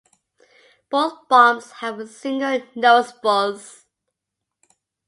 Both bombs have a single nose fuze.